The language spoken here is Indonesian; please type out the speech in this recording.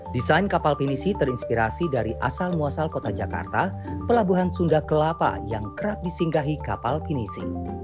desain kapal pinisi terinspirasi dari asal muasal kota jakarta pelabuhan sunda kelapa yang kerap disinggahi kapal pinisi